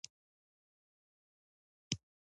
د هغه د ویناوو په لوازمو پورې ونه نښلم.